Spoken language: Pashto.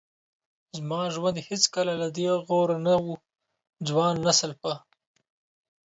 زما ژوند هیڅکله له دې غوره نه و. ځوان نسل په